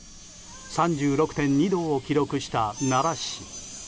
３６．２度を記録した奈良市。